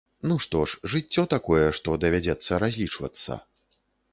Ну што ж, жыццё такое, што давядзецца разлічвацца.